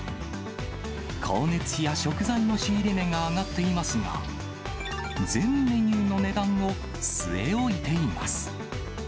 光熱費や食材の仕入れ値が上がっていますが、全メニューの値段を据え置いています。